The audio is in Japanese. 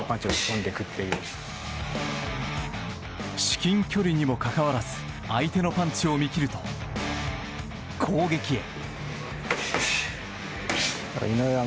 至近距離にもかかわらず相手のパンチを見切ると攻撃へ。